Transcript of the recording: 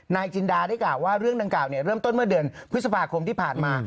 จินดาได้กล่าวว่าเรื่องดังกล่าวเริ่มต้นเมื่อเดือนพฤษภาคมที่ผ่านมา